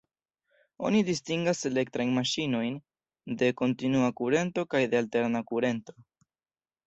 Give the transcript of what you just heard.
Oni distingas elektrajn maŝinojn de kontinua kurento kaj de alterna kurento.